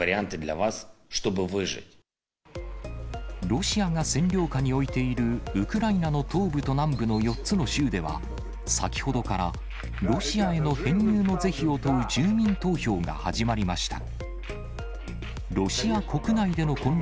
ロシアが占領下に置いているウクライナの東部と南部の４つの州では、先ほどからロシアへの編入の是非を問う住民投票が始まりました。